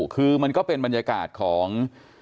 คือมันก็เป็นบรรยากาศของ